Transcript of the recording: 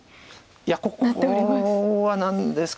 いやここは何ですか。